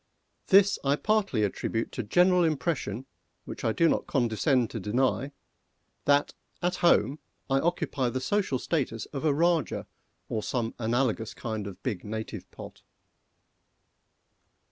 This I partly attribute to general impression which I do not condescend to deny that, at home, I occupy the social status of a Rajah, or some analogous kind of big native pot.